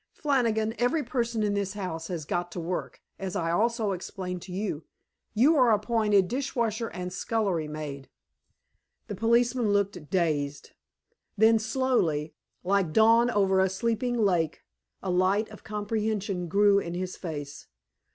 Flannigan, every person in this house has got to work, as I also explained to you. You are appointed dishwasher and scullery maid." The policeman looked dazed. Then, slowly, like dawn over a sleeping lake, a light of comprehension grew in his face.